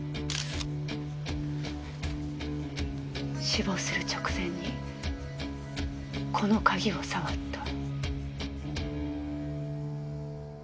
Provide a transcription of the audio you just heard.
死亡する直前にこの鍵を触った。